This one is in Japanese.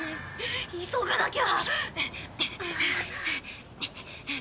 急がなきゃ！